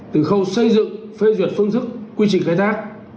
từ khâu xây dựng phê duyệt phương thức quy trình khai thác